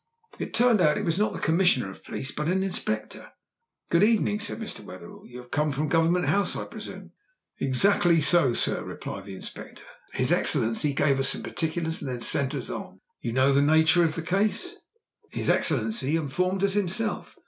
As it turned out it was not the Commissioner of Police, but an Inspector. "Good evening," said Mr. Wetherell. "You have come from Government House, I presume?" "Exactly so, sir," replied the Inspector. "His Excellency gave us some particulars and then sent us on." "You know the nature of the case?" "His Excellency informed us himself."